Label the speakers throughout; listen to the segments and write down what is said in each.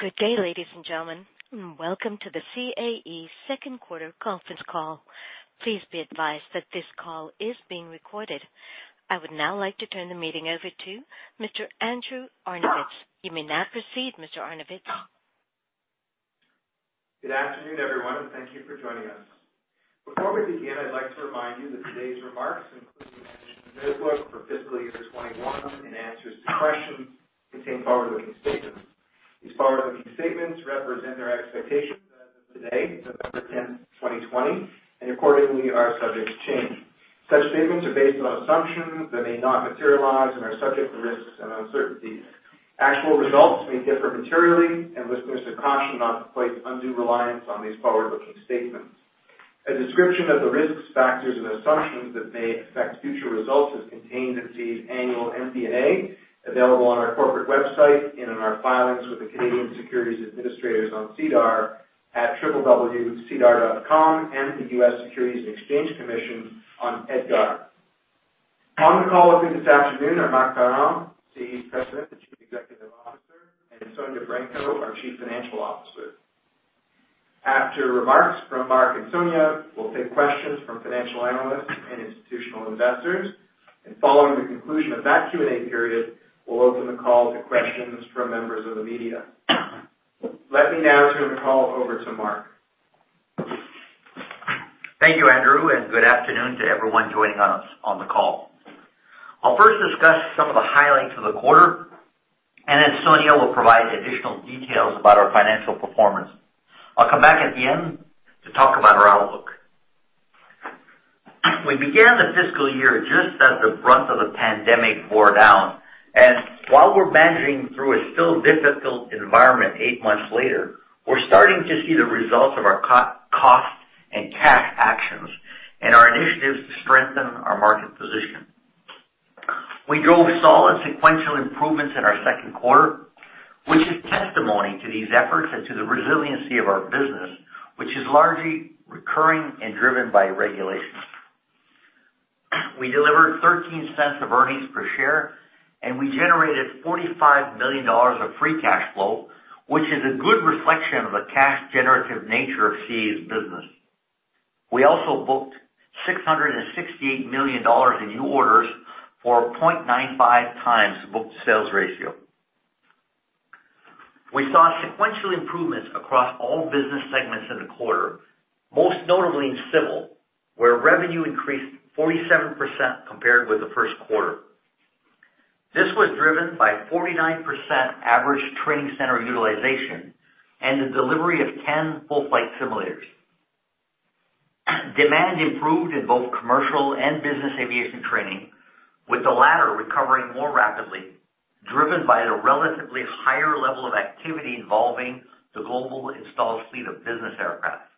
Speaker 1: Good day, ladies and gentlemen. Welcome to the CAE Second Quarter Conference Call. Please be advised that this call is being recorded. I would now like to turn the meeting over to Mr. Andrew Arnovitz. You may now proceed, Mr. Arnovitz.
Speaker 2: Good afternoon, everyone, and thank you for joining us. Before we begin, I'd like to remind you that today's remarks, including management's outlook for fiscal year 2021 and answers to questions, contain forward-looking statements. These forward-looking statements represent our expectations as of today, November 10, 2020, and accordingly are subject to change. Such statements are based on assumptions that may not materialize and are subject to risks and uncertainties. Actual results may differ materially and listeners are cautioned not to place undue reliance on these forward-looking statements. A description of the risks, factors, and assumptions that may affect future results is contained in CAE's annual MD&A available on our corporate website and in our filings with the Canadian Securities Administrators on SEDAR at www.sedar.com and the U.S. Securities and Exchange Commission on EDGAR. On the call with me this afternoon are Marc Parent, CAE's President and Chief Executive Officer, and Sonya Branco, our Chief Financial Officer. After remarks from Marc and Sonya, we'll take questions from financial analysts and institutional investors, and following the conclusion of that Q&A period, we'll open the call to questions from members of the media. Let me now turn the call over to Marc.
Speaker 3: Thank you, Andrew. Good afternoon to everyone joining us on the call. I'll first discuss some of the highlights of the quarter, and then Sonya will provide additional details about our financial performance. I'll come back at the end to talk about our outlook. We began the fiscal year just as the brunt of the pandemic wore down, and while we're managing through a still difficult environment eight months later, we're starting to see the results of our cost and cash actions and our initiatives to strengthen our market position. We drove solid sequential improvements in our second quarter, which is testimony to these efforts and to the resiliency of our business, which is largely recurring and driven by regulations. We delivered 0.13 of earnings per share, and we generated 45 million dollars of free cash flow, which is a good reflection of the cash-generative nature of CAE's business. We also booked 668 million dollars in new orders for a 0.95x book-to-sales ratio. We saw sequential improvements across all business segments in the quarter, most notably in civil, where revenue increased 47% compared with the first quarter. This was driven by 49% average training center utilization and the delivery of 10 full-flight simulators. Demand improved in both commercial and business aviation training, with the latter recovering more rapidly, driven by the relatively higher level of activity involving the global installed fleet of business aircraft.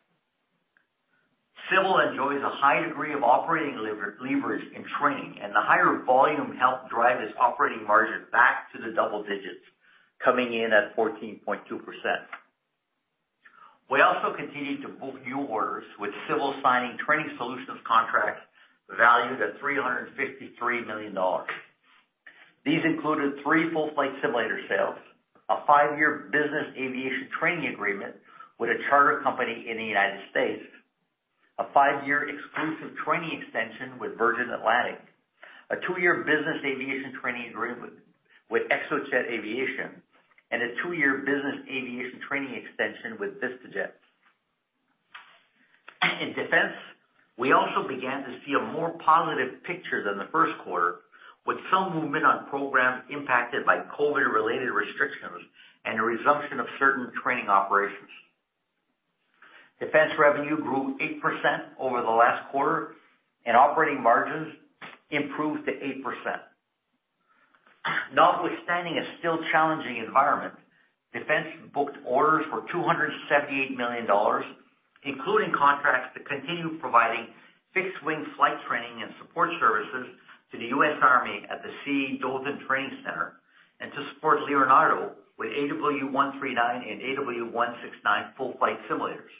Speaker 3: Civil enjoys a high degree of operating leverage in training, the higher volume helped drive this operating margin back to the double digits, coming in at 14.2%. We also continued to book new orders, with civil signing training solutions contracts valued at 353 million dollars. These included three full-flight simulator sales, a five-year business aviation training agreement with a charter company in the U.S., a five-year exclusive training extension with Virgin Atlantic, a two-year business aviation training agreement with XOJET Aviation, and a two-year business aviation training extension with VistaJet. In defense, we also began to see a more positive picture than the first quarter, with some movement on programs impacted by COVID-related restrictions and a resumption of certain training operations. Defense revenue grew 8% over the last quarter, and operating margins improved to 8%. Notwithstanding a still challenging environment, Defense booked orders for 278 million dollars, including contracts to continue providing fixed-wing flight training and support services to the U.S. Army at the CAE Dothan Training Center, and to support Leonardo with AW139 and AW169 full-flight simulators.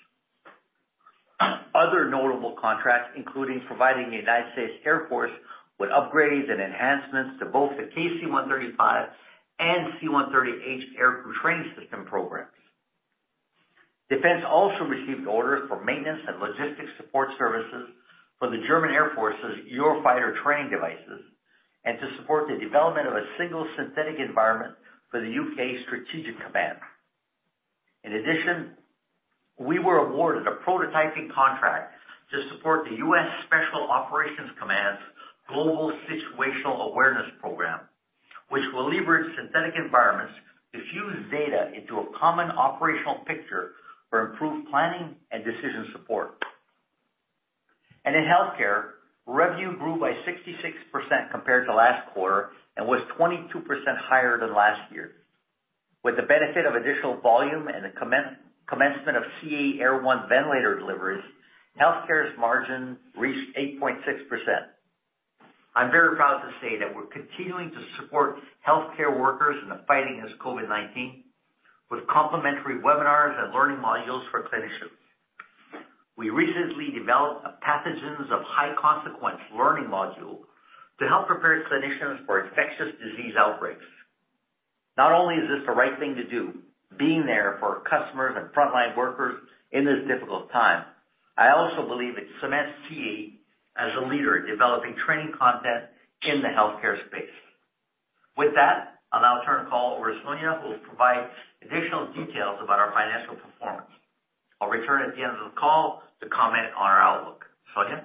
Speaker 3: Other notable contracts including providing the United States Air Force with upgrades and enhancements to both the KC-135 and C-130H aircraft training system programs. Defense also received orders for maintenance and logistics support services for the German Air Force's Eurofighter training devices and to support the development of a single synthetic environment for the UK Strategic Command. In addition, we were awarded a prototyping contract to support the U.S. Special Operations Command's Global Situational Awareness Program, which will leverage synthetic environments to fuse data into a common operational picture for improved planning and decision support. In healthcare, revenue grew by 66% compared to last quarter and was 22% higher than last year. With the benefit of additional volume and the commencement of CAE Air1 ventilator deliveries, healthcare's margin reached 8.6%. I'm very proud to say that we're continuing to support healthcare workers in the fighting against COVID-19 with complimentary webinars and learning modules for clinicians. We recently developed a pathogens of high consequence learning module to help prepare clinicians for infectious disease outbreaks. Not only is this the right thing to do, being there for customers and frontline workers in this difficult time, I also believe it cements CAE as a leader in developing training content in the healthcare space. With that, I'll now turn the call over to Sonya, who will provide additional details about our financial performance. I'll return at the end of the call to comment on our outlook. Sonya?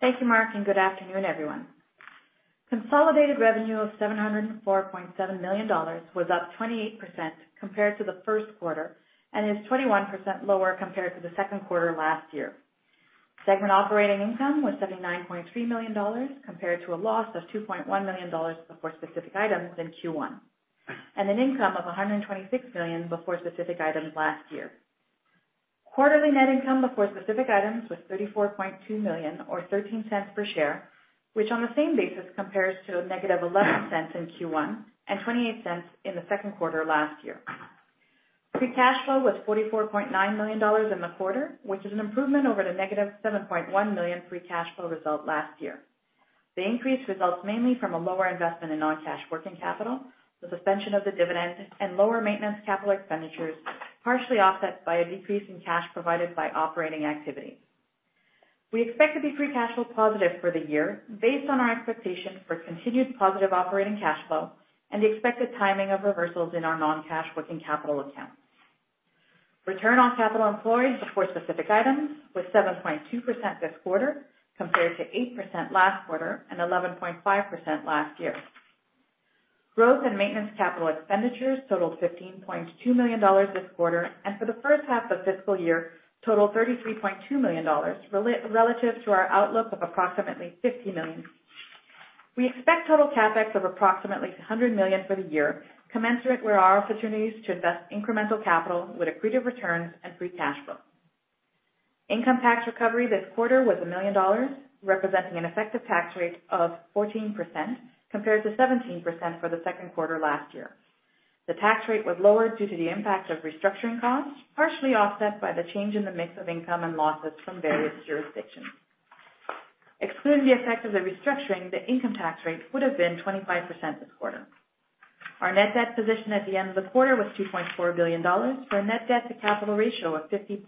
Speaker 4: Thank you, Marc, and good afternoon, everyone. Consolidated revenue of 704.7 million dollars was up 28% compared to the first quarter, and is 21% lower compared to the second quarter last year. Segment operating income was 79.3 million dollars, compared to a loss of 2.1 million dollars before specific items in Q1, and an income of 126 million before specific items last year. Quarterly net income before specific items was 34.2 million or 0.13 per share, which on the same basis compares to negative 0.11 in Q1 and 0.28 in the second quarter last year. Free cash flow was 44.9 million dollars in the quarter, which is an improvement over the -7.1 million free cash flow result last year. The increase results mainly from a lower investment in non-cash working capital, the suspension of the dividend, and lower maintenance capital expenditures, partially offset by a decrease in cash provided by operating activity. We expect to be free cash flow positive for the year based on our expectation for continued positive operating cash flow and the expected timing of reversals in our non-cash working capital accounts. Return on capital employed before specific items was 7.2% this quarter, compared to 8% last quarter and 11.5% last year. Growth maintenance capital expenditures totaled 15.2 million dollars this quarter, and for the first half of fiscal year, totaled 33.2 million dollars relative to our outlook of approximately 50 million. We expect total CapEx of approximately 100 million for the year, commensurate with our opportunities to invest incremental capital with accretive returns and free cash flow. Income tax recovery this quarter was 1 million dollars, representing an effective tax rate of 14%, compared to 17% for the second quarter last year. The tax rate was lower due to the impact of restructuring costs, partially offset by the change in the mix of income and losses from various jurisdictions. Excluding the effect of the restructuring, the income tax rate would have been 25% this quarter. Our net debt position at the end of the quarter was 2.4 billion dollars for a net debt to capital ratio of 50.1%,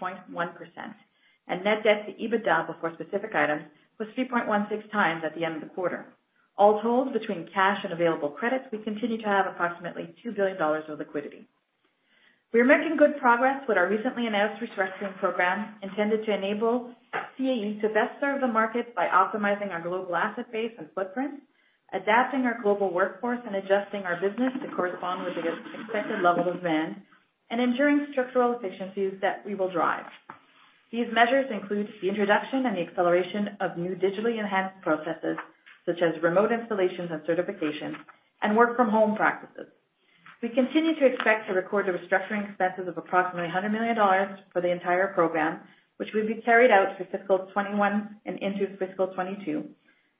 Speaker 4: and net debt to EBITDA before specific items was 3.16x at the end of the quarter. All told, between cash and available credits, we continue to have approximately 2 billion dollars of liquidity. We are making good progress with our recently announced restructuring program intended to enable CAE to best serve the market by optimizing our global asset base and footprint, adapting our global workforce, and adjusting our business to correspond with the expected level of demand and ensuring structural efficiencies that we will drive. These measures include the introduction and the acceleration of new digitally enhanced processes, such as remote installations and certification and work from home practices. We continue to expect to record the restructuring expenses of approximately 100 million dollars for the entire program, which will be carried out through fiscal 2021 and into fiscal 2022,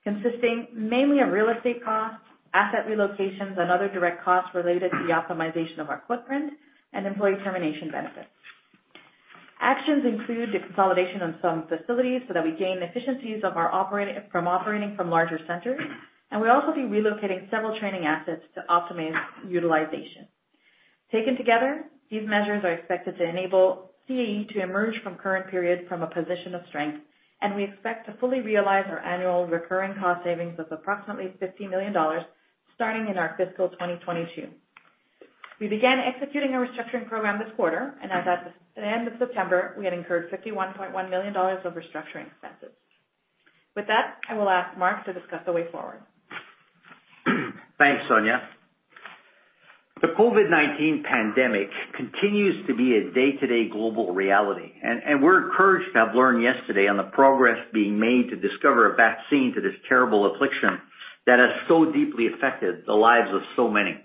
Speaker 4: consisting mainly of real estate costs, asset relocations and other direct costs related to the optimization of our footprint and employee termination benefits. Actions include the consolidation of some facilities so that we gain efficiencies from operating from larger centers, and we'll also be relocating several training assets to optimize utilization. Taken together, these measures are expected to enable CAE to emerge from current periods from a position of strength, and we expect to fully realize our annual recurring cost savings of approximately 50 million dollars starting in our fiscal 2022. We began executing a restructuring program this quarter, and as at the end of September, we had incurred 51.1 million dollars of restructuring expenses. With that, I will ask Marc to discuss the way forward.
Speaker 3: Thanks, Sonya. The COVID-19 pandemic continues to be a day-to-day global reality, and we're encouraged to have learned yesterday on the progress being made to discover a vaccine to this terrible affliction that has so deeply affected the lives of so many.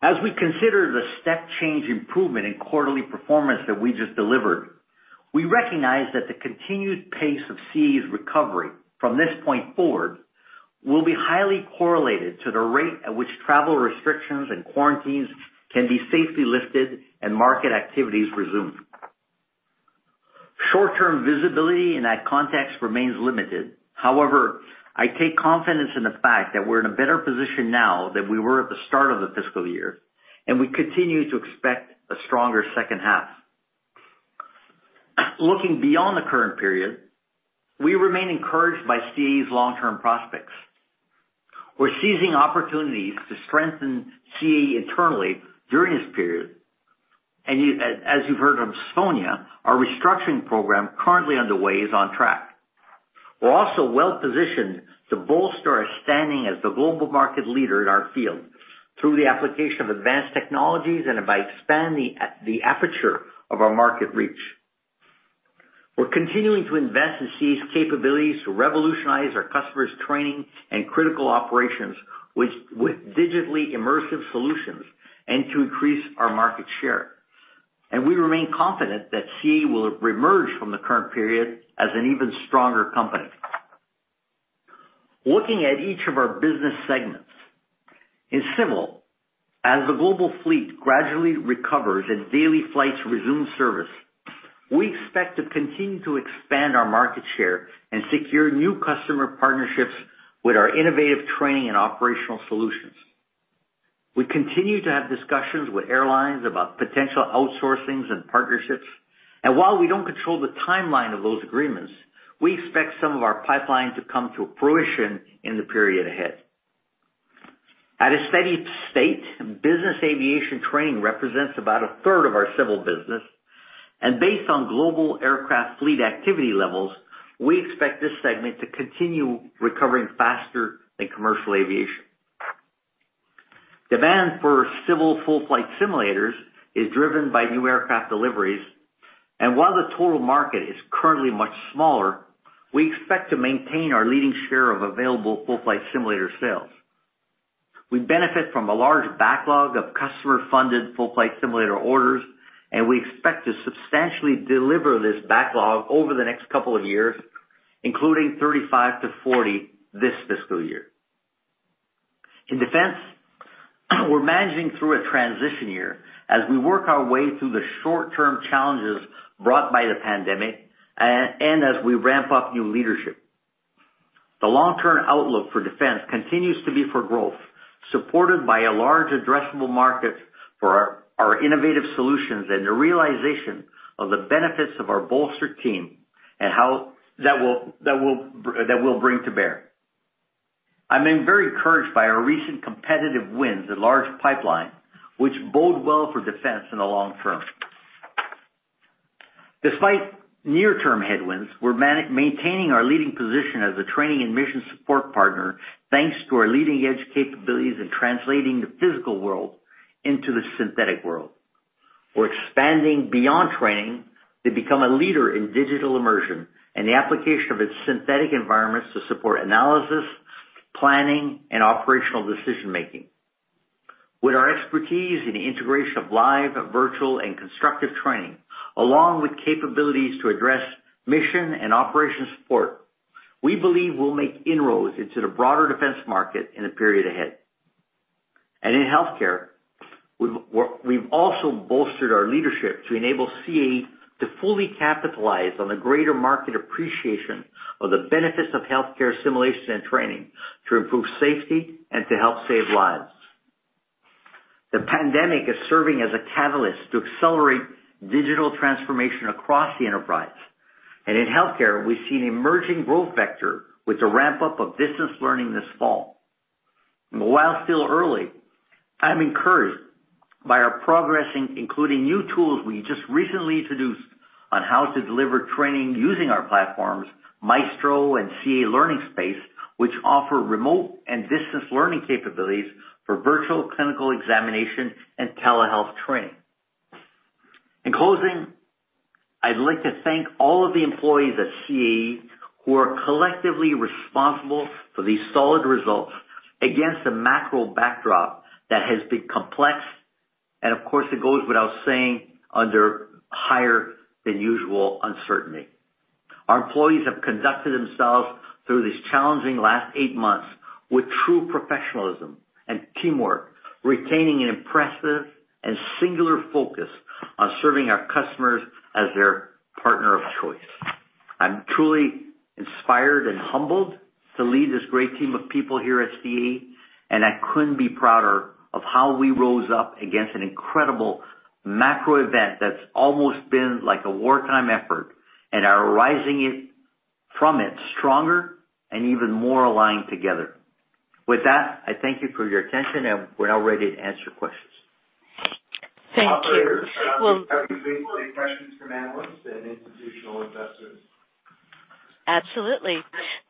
Speaker 3: As we consider the step change improvement in quarterly performance that we just delivered, we recognize that the continued pace of CAE's recovery from this point forward will be highly correlated to the rate at which travel restrictions and quarantines can be safely lifted and market activities resumed. Short-term visibility in that context remains limited. However, I take confidence in the fact that we're in a better position now than we were at the start of the fiscal year, and we continue to expect a stronger second half. Looking beyond the current period, we remain encouraged by CAE's long-term prospects. We're seizing opportunities to strengthen CAE internally during this period, and as you've heard from Sonya, our restructuring program currently underway is on track. We're also well-positioned to bolster our standing as the global market leader in our field through the application of advanced technologies and by expanding the aperture of our market reach. We're continuing to invest in CAE's capabilities to revolutionize our customers' training and critical operations with digitally immersive solutions and to increase our market share. We remain confident that CAE will reemerge from the current period as an even stronger company. Looking at each of our business segments. In Civil, as the global fleet gradually recovers and daily flights resume service, we expect to continue to expand our market share and secure new customer partnerships with our innovative training and operational solutions. We continue to have discussions with airlines about potential outsourcings and partnerships, and while we don't control the timeline of those agreements, we expect some of our pipeline to come to fruition in the period ahead. At a steady state, business aviation training represents about a third of our Civil business, and based on global aircraft fleet activity levels, we expect this segment to continue recovering faster than commercial aviation. Demand for Civil full-flight simulators is driven by new aircraft deliveries, and while the total market is currently much smaller, we expect to maintain our leading share of available full-flight simulator sales. We benefit from a large backlog of customer-funded full-flight simulator orders, and we expect to substantially deliver this backlog over the next couple of years, including 35-40 this fiscal year. In Defense, we're managing through a transition year as we work our way through the short-term challenges brought by the pandemic, and as we ramp up new leadership. The long-term outlook for Defense continues to be for growth, supported by a large addressable market for our innovative solutions and the realization of the benefits of our bolster team and how that will bring to bear. I'm very encouraged by our recent competitive wins and large pipeline, which bode well for Defense in the long term. Despite near-term headwinds, we're maintaining our leading position as a training and mission support partner, thanks to our leading-edge capabilities in translating the physical world into the synthetic world. We're expanding beyond training to become a leader in digital immersion and the application of its synthetic environments to support analysis, planning, and operational decision-making. With our expertise in the integration of live, virtual, and constructive training, along with capabilities to address mission and operation support, we believe we'll make inroads into the broader defense market in the period ahead. In Healthcare, we've also bolstered our leadership to enable CAE to fully capitalize on the greater market appreciation of the benefits of healthcare simulation and training to improve safety and to help save lives. The pandemic is serving as a catalyst to accelerate digital transformation across the enterprise. In Healthcare, we've seen emerging growth vector with the ramp-up of distance learning this fall. While still early, I'm encouraged by our progressing, including new tools we just recently introduced on how to deliver training using our platforms, Maestro and CAE LearningSpace, which offer remote and distance learning capabilities for virtual clinical examination and telehealth training. In closing, I'd like to thank all of the employees at CAE who are collectively responsible for these solid results against a macro backdrop that has been complex, and of course, it goes without saying, under higher than usual uncertainty. Our employees have conducted themselves through these challenging last eight months with true professionalism and teamwork, retaining an impressive and singular focus on serving our customers as their partner of choice. I'm truly inspired and humbled to lead this great team of people here at CAE, and I couldn't be prouder of how we rose up against an incredible macro event that's almost been like a wartime effort and are rising from it stronger and even more aligned together. With that, I thank you for your attention, and we're now ready to answer questions. Thank you. Operators, can I now take questions from analysts and institutional investors?
Speaker 1: Absolutely.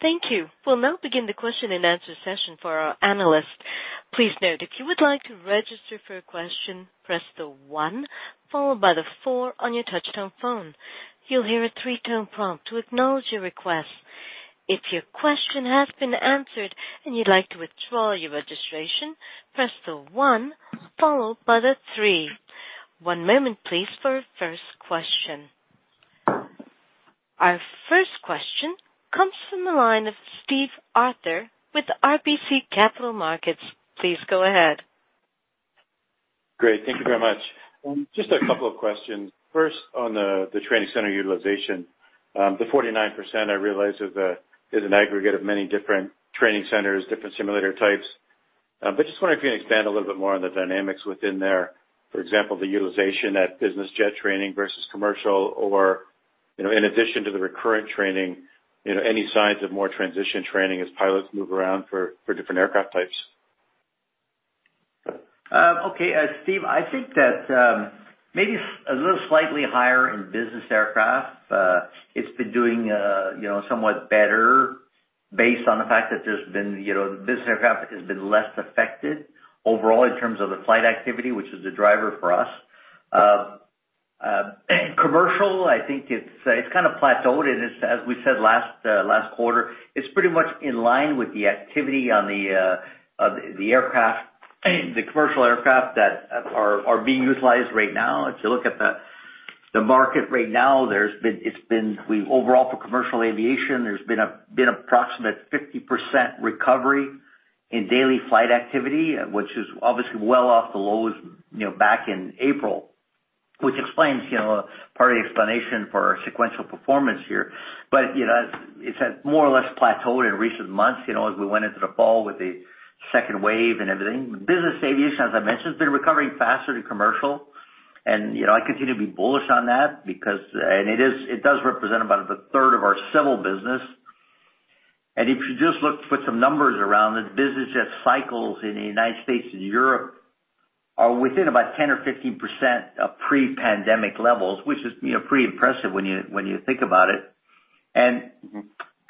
Speaker 1: Thank you. We'll now begin the question-and-answer session for our analysts. Please note, if you would like to register for a question, press the one followed by the four on your touchtone phone. You'll hear a three-tone prompt to acknowledge your request. If your question has been answered and you'd like to withdraw your registration, press the one followed by the three. One moment please for our first question. Our first question comes from the line of Steve Arthur with RBC Capital Markets. Please go ahead.
Speaker 5: Great. Thank you very much. Just a couple of questions. First, on the training center utilization. The 49%, I realize is an aggregate of many different training centers, different simulator types. Just wondering if you can expand a little bit more on the dynamics within there. For example, the utilization at business jet training versus commercial or in addition to the recurrent training, any signs of more transition training as pilots move around for different aircraft types?
Speaker 3: Okay. Steve, I think that maybe a little slightly higher in business aircraft. It's been doing somewhat better based on the fact that business aircraft has been less affected overall in terms of the flight activity, which is a driver for us. Commercial, I think it's kind of plateaued, and as we said last quarter, it's pretty much in line with the activity of the commercial aircraft that are being utilized right now. If you look at The market right now, overall for commercial aviation, there's been approximate 50% recovery in daily flight activity, which is obviously well off the lows back in April, which explains part of the explanation for our sequential performance here. It's more or less plateaued in recent months as we went into the fall with the second wave and everything. Business aviation, as I mentioned, has been recovering faster than commercial, and I continue to be bullish on that. It does represent about a third of our civil business. If you just put some numbers around it, business jet cycles in the United States and Europe are within about 10% or 15% of pre-pandemic levels, which is pretty impressive when you think about it.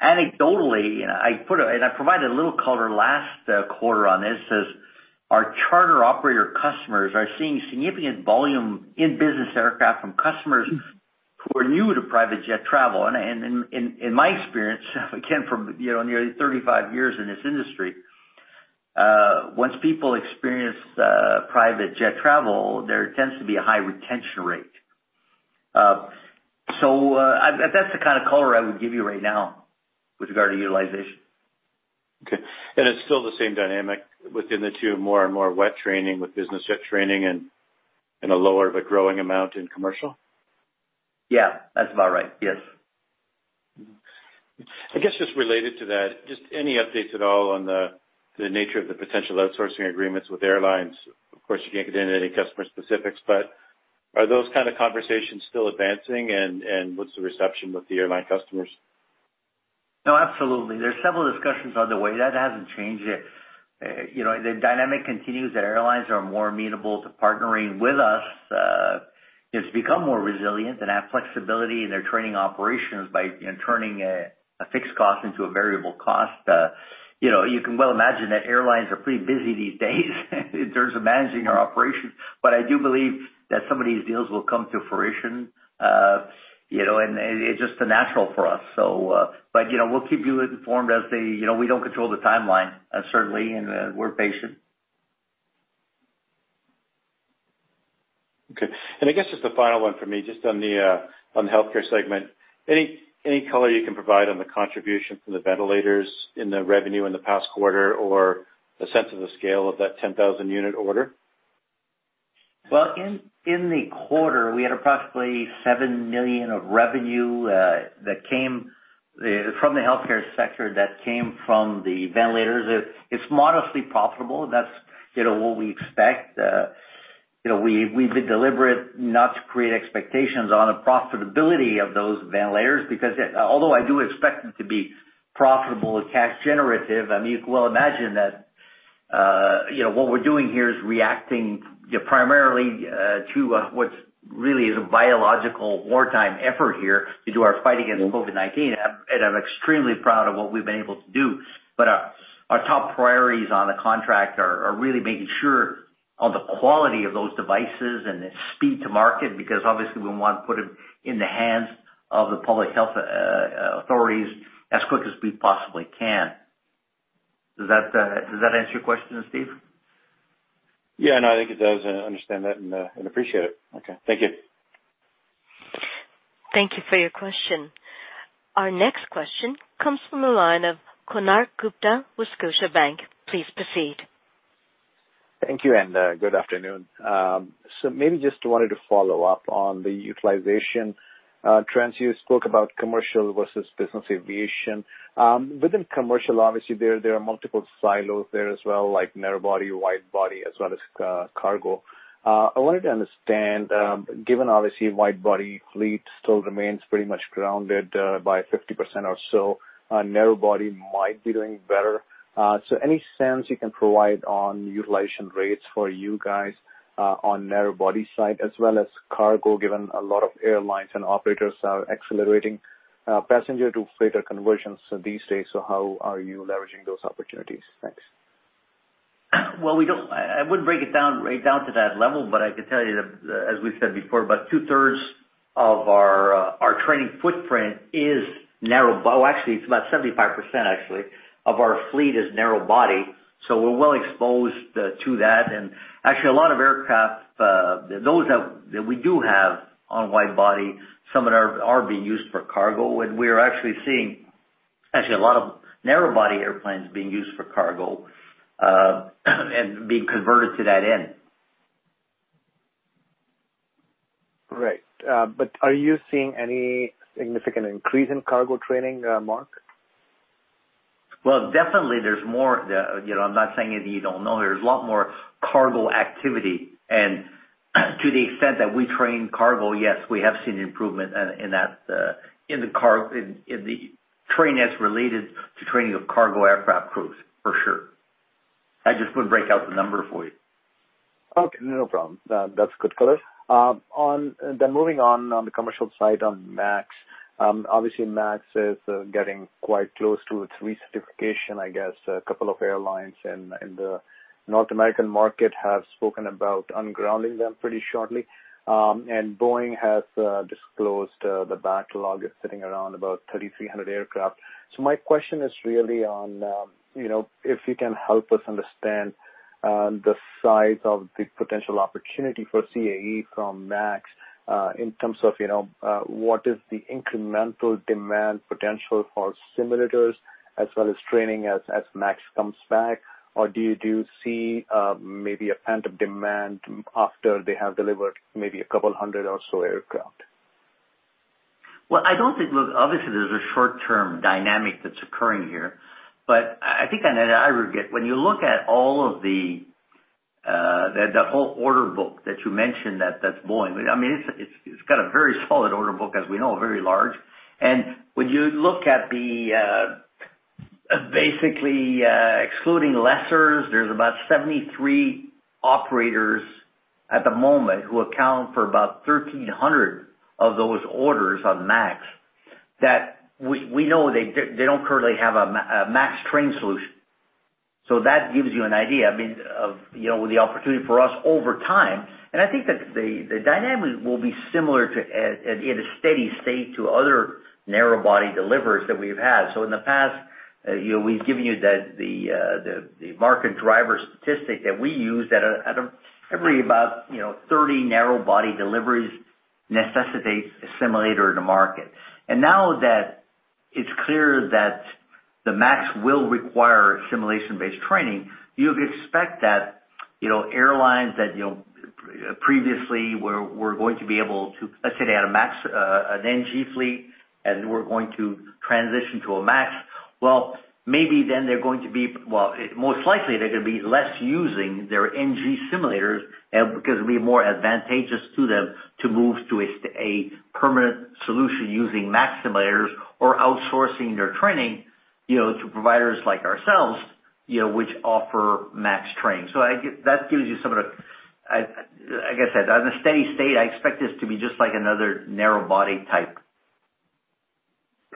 Speaker 3: Anecdotally, and I provided a little color last quarter on this, is our charter operator customers are seeing significant volume in business aircraft from customers who are new to private jet travel. In my experience, again, from nearly 35 years in this industry, once people experience private jet travel, there tends to be a high retention rate. That's the kind of color I would give you right now with regard to utilization.
Speaker 5: Okay, it's still the same dynamic within the two, more and more wet training with business jet training and a lower but growing amount in commercial?
Speaker 3: Yeah, that's about right. Yes.
Speaker 5: I guess just related to that, just any updates at all on the nature of the potential outsourcing agreements with airlines? Of course, you can't get into any customer specifics, are those kind of conversations still advancing? What's the reception with the airline customers?
Speaker 3: No, absolutely. There's several discussions underway. That hasn't changed yet. The dynamic continues that airlines are more amenable to partnering with us. It's become more resilient and have flexibility in their training operations by turning a fixed cost into a variable cost. You can well imagine that airlines are pretty busy these days in terms of managing our operations. I do believe that some of these deals will come to fruition, and it's just natural for us. We'll keep you informed. We don't control the timeline, certainly, and we're patient.
Speaker 5: Okay. I guess just the final one for me, just on the healthcare segment, any color you can provide on the contribution from the ventilators in the revenue in the past quarter or the sense of the scale of that 10,000 unit order?
Speaker 3: Well, in the quarter, we had approximately 7 million of revenue that came from the healthcare sector that came from the ventilators. It's modestly profitable. That's what we expect. We've been deliberate not to create expectations on the profitability of those ventilators because although I do expect them to be profitable and cash generative, you can well imagine that what we're doing here is reacting primarily to what really is a biological wartime effort here to do our fight against COVID-19. I'm extremely proud of what we've been able to do. Our top priorities on the contract are really making sure on the quality of those devices and the speed to market, because obviously we want to put it in the hands of the public health authorities as quick as we possibly can. Does that answer your question, Steve?
Speaker 5: Yeah, no, I think it does. I understand that and appreciate it. Okay. Thank you.
Speaker 1: Thank you for your question. Our next question comes from the line of Konark Gupta with Scotiabank. Please proceed.
Speaker 6: Thank you. Good afternoon. Maybe just wanted to follow up on the utilization trends. You spoke about commercial versus business aviation. Within commercial, obviously, there are multiple silos there as well, like narrow body, wide body as well as cargo. I wanted to understand, given obviously wide body fleet still remains pretty much grounded by 50% or so, narrow body might be doing better. Any sense you can provide on utilization rates for you guys on narrow body side as well as cargo, given a lot of airlines and operators are accelerating passenger to freighter conversions these days. How are you leveraging those opportunities? Thanks.
Speaker 3: Well, I wouldn't break it down right down to that level, but I could tell you that, as we've said before, about two-thirds of our training footprint is narrow. Actually, it's about 75% actually of our fleet is narrow body, so we're well exposed to that. Actually, a lot of aircraft, those that we do have on wide body, some are being used for cargo, and we're actually seeing a lot of narrow body airplanes being used for cargo and being converted to that end.
Speaker 6: Great. Are you seeing any significant increase in cargo training, Marc?
Speaker 3: Well, definitely there's more. I'm not saying anything you don't know. There's a lot more cargo activity. To the extent that we train cargo, yes, we have seen improvement in the training as related to training of cargo aircraft crews, for sure. I just wouldn't break out the number for you.
Speaker 6: Okay, no problem. That's good color. Moving on the commercial side on MAX. Obviously, MAX is getting quite close to its recertification, I guess. A couple of airlines in the North American market have spoken about ungrounding them pretty shortly. Boeing has closed, the backlog is sitting around about 3,300 aircraft. My question is really on if you can help us understand the size of the potential opportunity for CAE from MAX in terms of what is the incremental demand potential for simulators as well as training as MAX comes back, or do you see maybe a pent-up demand after they have delivered maybe a couple hundred or so aircraft?
Speaker 3: Well, I don't think. Look, obviously, there's a short-term dynamic that's occurring here. I think, and I would get, when you look at all of the whole order book that you mentioned that's Boeing, it's got a very solid order book, as we know, very large. When you look at the, basically excluding lessors, there's about 73 operators at the moment who account for about 1,300 of those orders on MAX, that we know they don't currently have a MAX training solution. That gives you an idea of the opportunity for us over time. I think that the dynamic will be similar to at a steady state to other narrow body deliveries that we've had. In the past, we've given you the market driver statistic that we use that every about 30 narrow body deliveries necessitates a simulator in the market. Now that it's clear that the MAX will require simulation-based training, you would expect that airlines that previously were going to be able to, let's say, they had a MAX, a 737NG fleet, and were going to transition to a MAX. Most likely they're going to be less using their 737NG simulators because it'll be more advantageous to them to move to a permanent solution using MAX simulators or outsourcing their training to providers like ourselves, which offer MAX training. That gives you some of the, like I said, on a steady state, I expect this to be just like another narrow body type.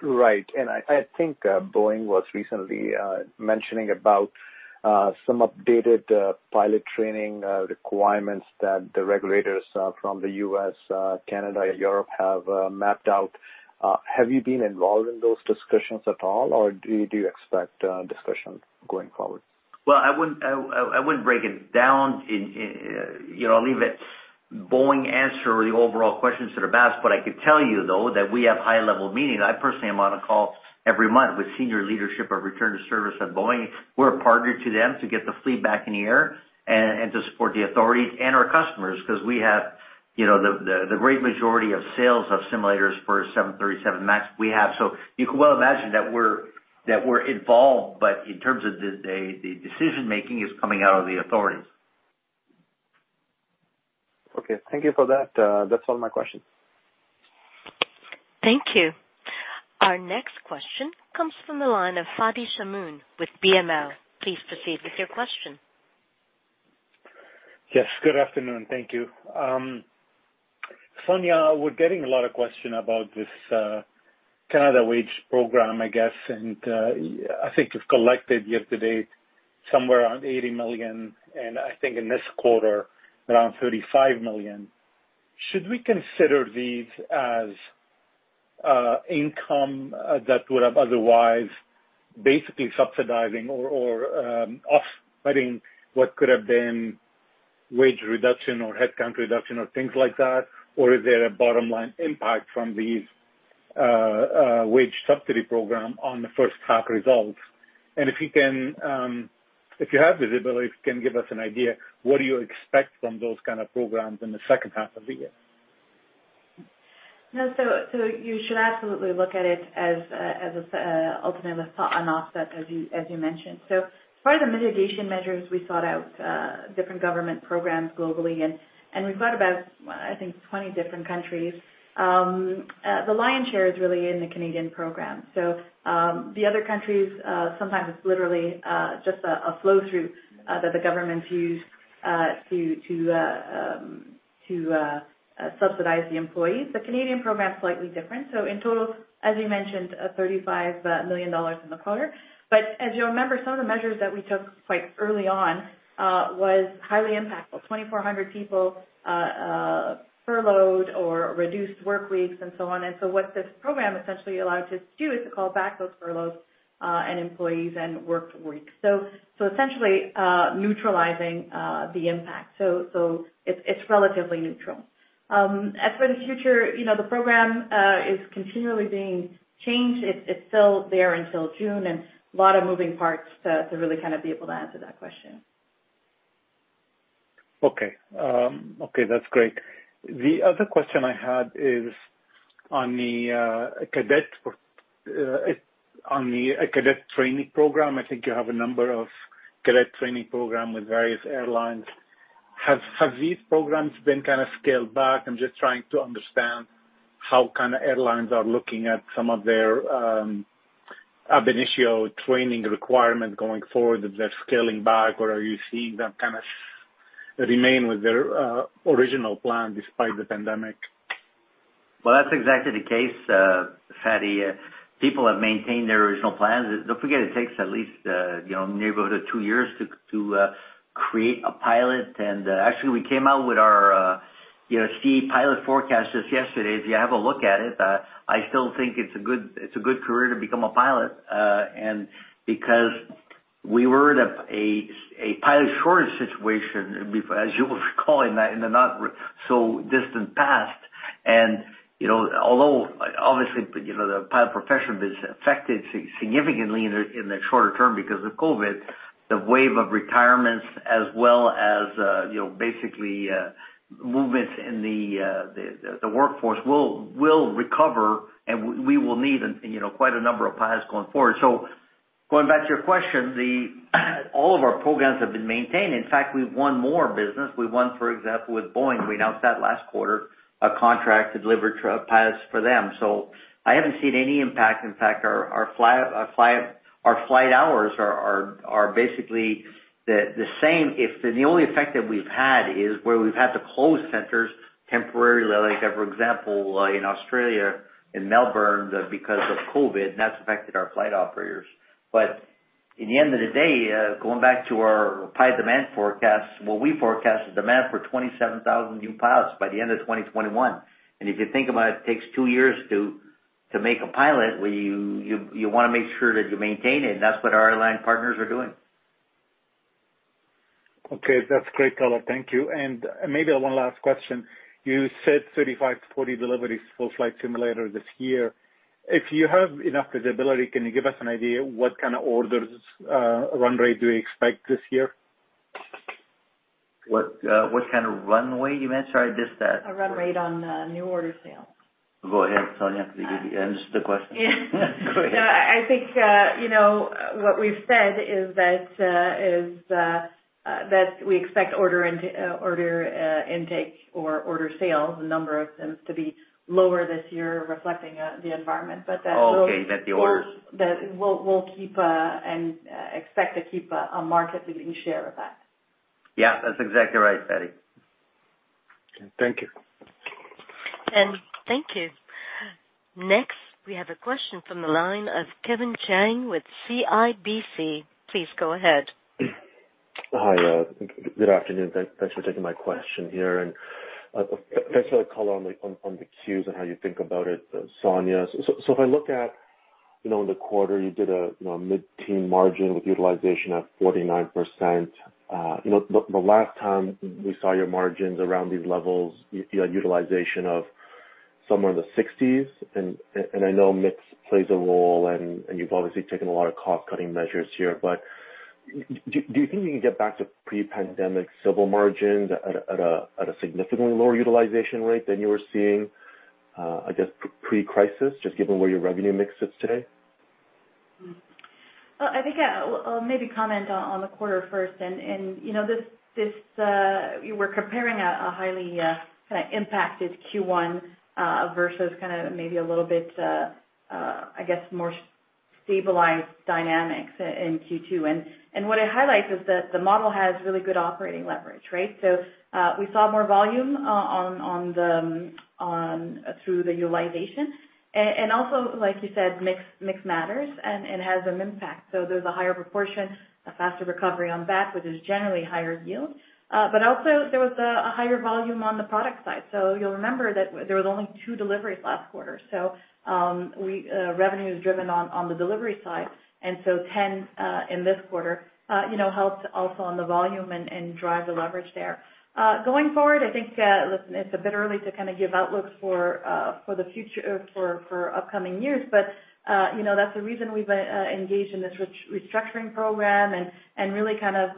Speaker 6: Right. I think Boeing was recently mentioning about some updated pilot training requirements that the regulators from the U.S., Canada, and Europe have mapped out. Have you been involved in those discussions at all, or do you expect discussions going forward?
Speaker 3: I wouldn't break it down. I'll leave it Boeing answer the overall questions that are asked, but I could tell you, though, that we have high-level meetings. I personally am on a call every month with senior leadership of return to service at Boeing. We're a partner to them to get the fleet back in the air and to support the authorities and our customers because we have the great majority of sales of simulators for 737 MAX we have. You can well imagine that we're involved, but in terms of the decision-making is coming out of the authorities.
Speaker 6: Okay. Thank you for that. That's all my questions.
Speaker 1: Thank you. Our next question comes from the line of Fadi Chamoun with BMO. Please proceed with your question.
Speaker 7: Yes, good afternoon. Thank you. Sonya, we're getting a lot of question about this Canada wage program, I guess. I think you've collected year to date somewhere around 80 million, and I think in this quarter, around 35 million. Should we consider these as income that would have otherwise basically subsidizing or offsetting what could have been wage reduction or headcount reduction or things like that? Is there a bottom-line impact from these wage subsidy program on the first half results? If you have visibility, if you can give us an idea, what do you expect from those kind of programs in the second half of the year?
Speaker 4: No. You should absolutely look at it as ultimately an offset as you mentioned. As part of the mitigation measures, we sought out different government programs globally, and we've got about, I think, 20 different countries. The lion's share is really in the Canadian program. The other countries, sometimes it's literally just a flow-through that the governments use to subsidize the employees. The Canadian program is slightly different. In total, as you mentioned, 35 million dollars in the quarter. As you'll remember, some of the measures that we took quite early on was highly impactful. 2,400 people furloughed or reduced workweeks and so on. What this program essentially allowed us to do is to call back those furloughs and employees and workweeks. Essentially neutralizing the impact. It's relatively neutral. As for the future, the program is continually being changed. It's still there until June, and a lot of moving parts to really kind of be able to answer that question.
Speaker 7: Okay. That's great. The other question I had is on the cadet training program. I think you have a number of cadet training program with various airlines. Have these programs been kind of scaled back? I'm just trying to understand how kind of airlines are looking at some of their ab initio training requirements going forward. If they're scaling back, or are you seeing them kind of remain with their original plan despite the pandemic?
Speaker 3: Well, that's exactly the case, Fadi. People have maintained their original plans. Don't forget, it takes at least the neighborhood of two years to create a pilot. Actually, we came out with our CAE pilot forecast just yesterday. If you have a look at it, I still think it's a good career to become a pilot. Because we were in a pilot shortage situation, as you will recall, in the not-so-distant past. Although obviously, the pilot profession has been affected significantly in the shorter term because of COVID, the wave of retirements as well as basically movements in the workforce will recover, and we will need quite a number of pilots going forward. Going back to your question, all of our programs have been maintained. In fact, we've won more business. We won, for example, with Boeing, we announced that last quarter, a contract to deliver pilots for them. I haven't seen any impact. In fact, our flight hours are basically the same. The only effect that we've had is where we've had to close centers temporarily. Like, for example, in Australia, in Melbourne, because of COVID, and that's affected our flight operators. In the end of the day, going back to our pilot demand forecast, well, we forecasted demand for 27,000 new pilots by the end of 2021. If you think about it takes two years to make a pilot, well, you want to make sure that you maintain it, and that's what our airline partners are doing.
Speaker 7: Okay. That's great, Marc. Thank you. Maybe one last question. You said 35-40 deliveries for flight simulator this year. If you have enough visibility, can you give us an idea what kind of orders run rate do we expect this year?
Speaker 3: What kind of runway you meant? Sorry, I missed that.
Speaker 4: A run rate on new order sales.
Speaker 3: Go ahead, Sonya. You answer the question. Go ahead.
Speaker 4: No, I think what we've said is that we expect order intake or order sales, the number of them, to be lower this year, reflecting the environment.
Speaker 3: Okay.
Speaker 4: That we'll keep and expect to keep a market leading share of that.
Speaker 3: Yeah. That's exactly right, Fadi.
Speaker 7: Okay. Thank you.
Speaker 1: Thank you. Next, we have a question from the line of Kevin Chiang with CIBC. Please go ahead.
Speaker 8: Hi. Good afternoon. Thanks for taking my question here. Thanks for the color on the Q's and how you think about it, Sonya. If I look at in the quarter, you did a mid-teen margin with utilization at 49%. The last time we saw your margins around these levels, you had utilization of somewhere in the 60%s. I know mix plays a role and you've obviously taken a lot of cost-cutting measures here. Do you think you can get back to pre-pandemic civil margins at a significantly lower utilization rate than you were seeing, I guess, pre-crisis, just given where your revenue mix sits today?
Speaker 4: I think I'll maybe comment on the quarter first. We're comparing a highly impacted Q1, versus maybe a little bit, I guess, more stabilized dynamics in Q2. What it highlights is that the model has really good operating leverage, right? We saw more volume through the utilization. Also, like you said, mix matters and has an impact. There's a higher proportion, a faster recovery on that, which is generally higher yield. Also, there was a higher volume on the product side. You'll remember that there was only two deliveries last quarter. Revenue is driven on the delivery side, and so 10 in this quarter helped also on the volume and drive the leverage there. Going forward, I think, listen, it's a bit early to give outlooks for upcoming years. That's the reason we've engaged in this restructuring program and really kind of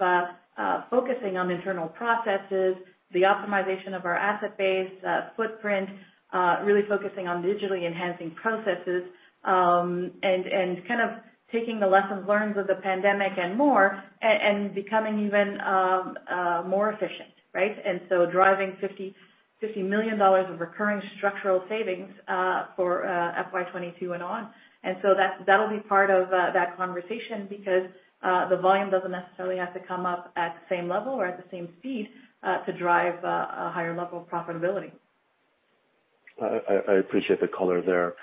Speaker 4: focusing on internal processes, the optimization of our asset base footprint, really focusing on digitally enhancing processes, and kind of taking the lessons learned with the pandemic and more, and becoming even more efficient, right? Driving 50 million dollars of recurring structural savings for FY 2022 and on. That'll be part of that conversation because the volume doesn't necessarily have to come up at the same level or at the same speed, to drive a higher level of profitability.
Speaker 8: I appreciate the color there.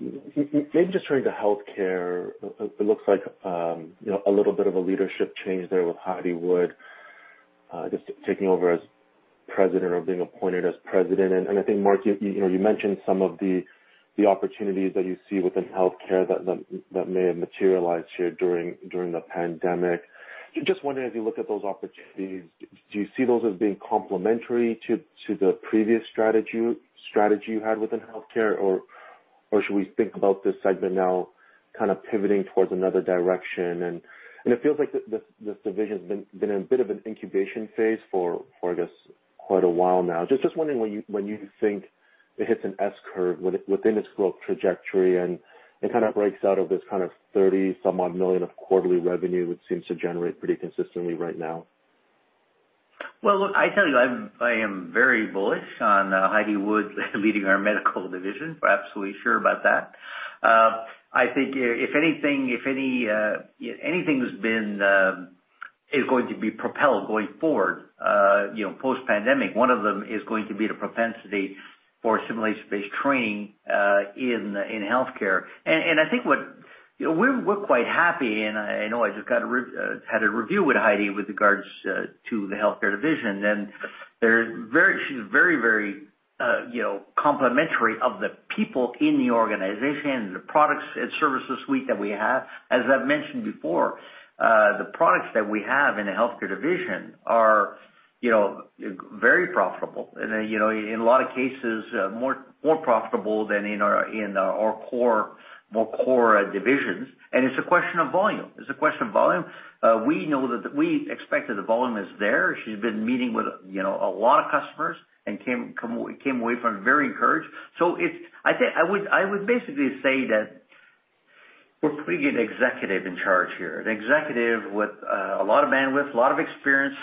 Speaker 8: Maybe just turning to healthcare, it looks like a little bit of a leadership change there with Heidi Wood, just taking over as president or being appointed as president. I think, Marc, you mentioned some of the opportunities that you see within healthcare that may have materialized here during the pandemic. Just wondering, as you look at those opportunities, do you see those as being complementary to the previous strategy you had within healthcare, or should we think about this segment now kind of pivoting towards another direction? It feels like this division's been in a bit of an incubation phase for I guess, quite a while now. Just wondering when you think it hits an S-curve within its growth trajectory, and it kind of breaks out of this kind of CAD 30-some-odd million of quarterly revenue, which seems to generate pretty consistently right now.
Speaker 3: Well, look, I tell you, I am very bullish on Heidi Wood leading our Medical division. We're absolutely sure about that. I think if anything is going to be propelled going forward, post-pandemic, one of them is going to be the propensity for simulation-based training in healthcare. I think We're quite happy, and I know I just had a review with Heidi with regards to the healthcare division. She's very complimentary of the people in the organization and the products and services suite that we have. As I've mentioned before, the products that we have in the healthcare division are very profitable. In a lot of cases, more profitable than in our more core divisions. It's a question of volume. We know that we expect that the volume is there. She's been meeting with a lot of customers and came away from it very encouraged. I would basically say that we're putting an executive in charge here, an executive with a lot of bandwidth, a lot of experience,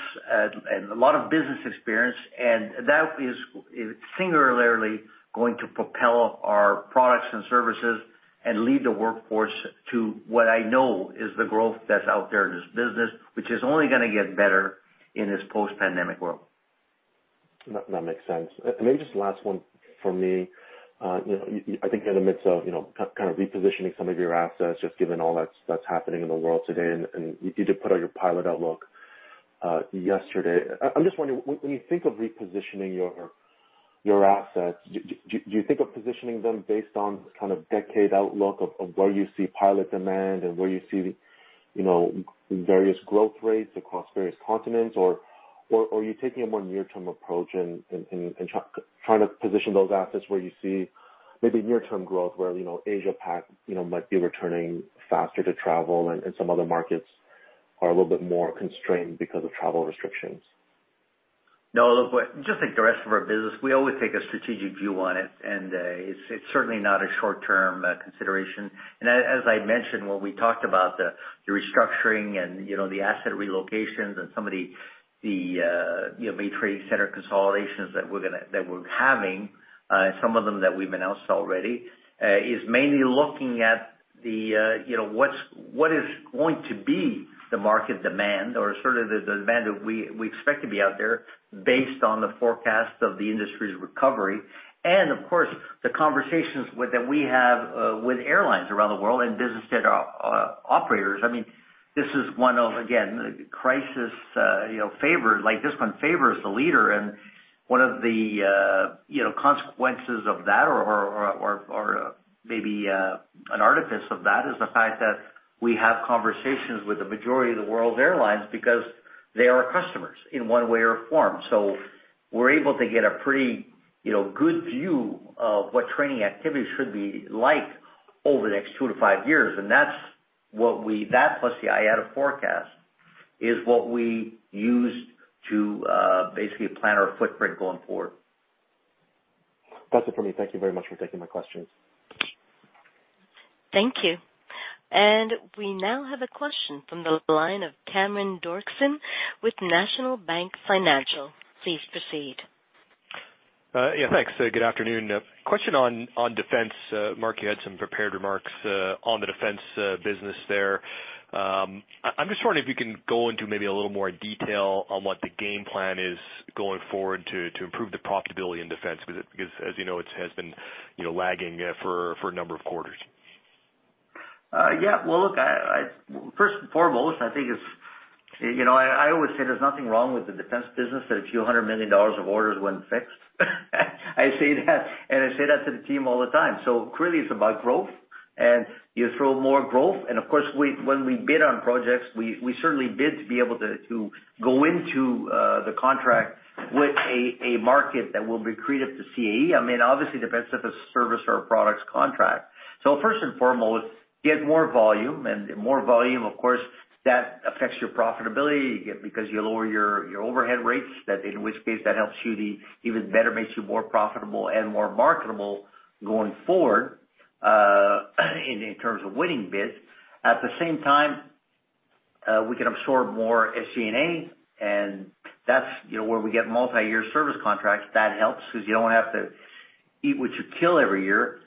Speaker 3: and a lot of business experience, and that is singularly going to propel our products and services and lead the workforce to what I know is the growth that's out there in this business, which is only going to get better in this post-pandemic world.
Speaker 8: That makes sense. Maybe just the last one from me. I think you're in the midst of repositioning some of your assets, just given all that's happening in the world today, and you did put out your pilot outlook yesterday. I'm just wondering, when you think of repositioning your assets, do you think of positioning them based on decade outlook of where you see pilot demand and where you see various growth rates across various continents? Or are you taking a more near-term approach and trying to position those assets where you see maybe near-term growth where Asia Pac might be returning faster to travel and some other markets are a little bit more constrained because of travel restrictions?
Speaker 3: No, look, just like the rest of our business, we always take a strategic view on it's certainly not a short-term consideration. As I mentioned, when we talked about the restructuring and the asset relocations and some of the training center consolidations that we're having, some of them that we've announced already, is mainly looking at what is going to be the market demand or the demand that we expect to be out there based on the forecast of the industry's recovery. Of course, the conversations that we have with airlines around the world and business jet operators. This is one of, again, crisis favors the leader. One of the consequences of that or maybe an artifice of that is the fact that we have conversations with the majority of the world's airlines because they are our customers in one way or form. We're able to get a pretty good view of what training activities should be like over the next two to five years. That, plus the IATA forecast, is what we use to basically plan our footprint going forward.
Speaker 8: That's it for me. Thank you very much for taking my questions.
Speaker 1: Thank you. We now have a question from the line of Cameron Doerksen with National Bank Financial. Please proceed.
Speaker 9: Yeah, thanks. Good afternoon. Question on defense. Marc, you had some prepared remarks on the defense business there. I am just wondering if you can go into maybe a little more detail on what the game plan is going forward to improve the profitability in defense, because as you know, it has been lagging for a number of quarters.
Speaker 3: Well, look, first and foremost, I always say there's nothing wrong with the Defence business that a few hundred million CAD of orders wouldn't fix. I say that, and I say that to the team all the time. Clearly it's about growth, and you throw more growth. Of course, when we bid on projects, we certainly bid to be able to go into the contract with a market that will be accretive to CAE. Obviously, Defence is a service or a products contract. First and foremost, get more volume. More volume, of course, that affects your profitability because you lower your overhead rates, in which case that helps you even better makes you more profitable and more marketable going forward in terms of winning bids. At the same time, we can absorb more SG&A, and that's where we get multi-year service contracts. That helps because you don't have to eat what you kill every year.